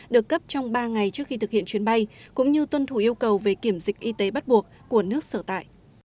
được cấp trong ba ngày trước khi thực hiện chuyến bay cũng như tuân thủ yêu cầu về kiểm dịch y tế bắt buộc của nước sở tại